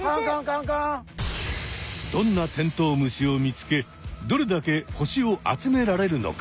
どんなテントウムシを見つけどれだけ星を集められるのか！？